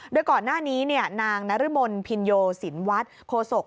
ด้วยก่อนหน้านี้นางนรมนศ์พิญโยศิลป์วัดโฆษก